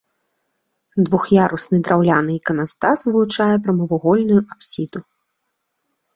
Двух'ярусны драўляны іканастас вылучае прамавугольную апсіду.